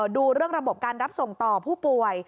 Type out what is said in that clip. ดูเรื่องระบบการรับส่งต่อผู้ป่วย